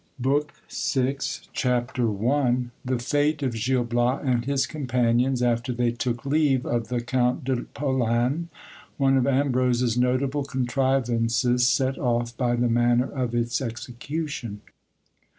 BOOK THE SIXTH. Ch. I. — The fate of Gil Bias and his Companions after they took leave of the Count de Polan. One of Ambrose's notable contrivances set off by the manner of its execution.